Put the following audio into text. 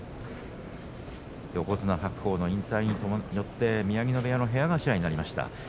横綱白鵬の引退によって宮城野部屋の部屋頭になりました。